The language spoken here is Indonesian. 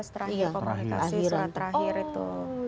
dua ribu dua belas terakhir komunikasi surat terakhir itu